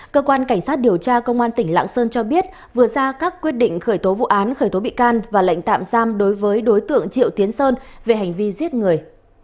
cơ quan cảnh sát điều tra công an tỉnh lạng sơn cho biết vừa ra các quyết định khởi tố vụ án khởi tố bị can và lệnh tạm giam đối với đối tượng triệu tiến sơn về hành vi giết người